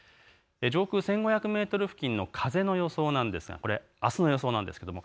上空１５００メートル付近の風の予想なんですがこれはあすの予想です。